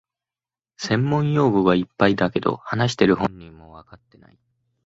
専門用語がいっぱいだけど、話してる本人もわかってない